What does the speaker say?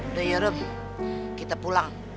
udah ya robi kita pulang